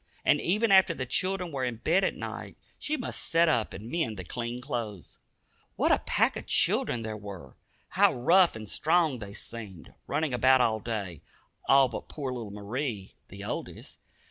And even after the children were in bed at night, she must sit up and mend the clean clothes. What a pack of children there were! How rough and strong they seemed, running about all day, all but poor little Marie, the oldest.